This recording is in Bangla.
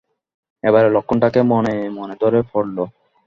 এবারে লক্ষণটাকে মনে মনে ধরে পড়ল।